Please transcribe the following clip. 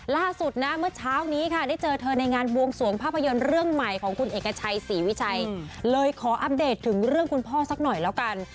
ล่าสุดนะเมื่อเช้านี้ค่ะได้เจอเธอในงานบวงสวงภาพยนตร์เรื่องใหม่ของคุณเอกชัยศรีวิชัยเลยขออัปเดตถึงเรื่องคุณพ่อสักหน่อยแล้วกัน